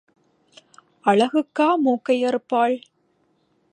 அழகுக்கா மூக்கை அறுப்பாள்?